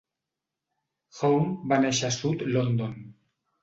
Home va néixer a South London.